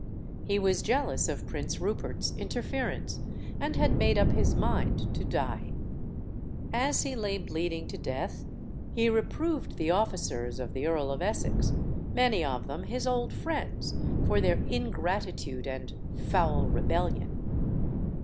He was jealous of Prince Rupert's interference, and had made up his mind to die. As he lay bleeding to death he reproved the officers of the Earl of Essex, many of them his old friends, for their ingratitude and "foul rebellion."